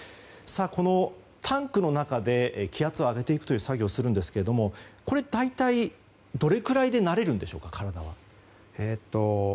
このタンクの中で、気圧を上げていく作業をするんですがこれ、大体どれくらいで体は慣れるんでしょうか？